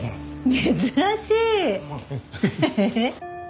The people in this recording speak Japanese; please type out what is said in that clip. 珍しい。